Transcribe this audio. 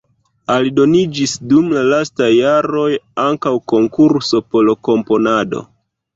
Aldoniĝis dum la lastaj jaroj ankaŭ konkurso por komponado.